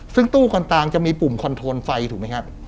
ซึ่งตู้ตรงต่างจะมีปุ่มคอนโทรลไฟถูกมั้ยฮะ